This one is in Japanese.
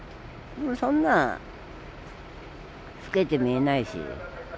そんな老けて見えないし。